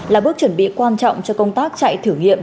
là bước chuẩn bị quan trọng cho công tác chạy thử nghiệm